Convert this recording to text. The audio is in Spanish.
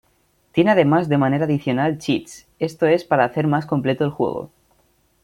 Tiene además de manera adicional Cheats, esto es para hacer más completo el juego.